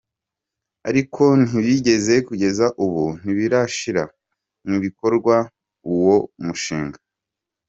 Ariko ntibigeze kugeza ubu ntibarashyira mu bikorw auwo mushinga.